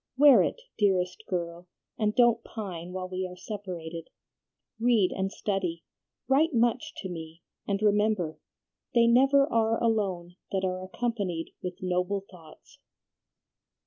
Wear it, dearest girl, and don't pine while we are separated. Read and study, write much to me, and remember, "They never are alone that are accompanied with noble thoughts."'"